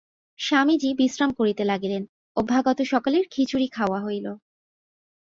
স্বামীজি বিশ্রাম করিতে লাগিলেন, অভ্যাগত সকলের খিচুড়ি খাওয়া হইল।